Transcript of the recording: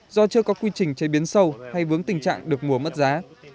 do chưa có quy trình chế biến sâu hay vướng tình trạng được mùa mất giá